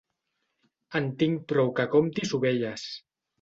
En tinc prou que comptis ovelles.